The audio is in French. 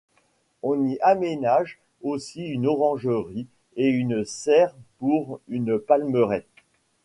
On y aménage aussi une orangerie et une serre pour une palmeraie.